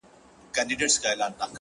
غواړم چي ديدن د ښكلو وكړمه.!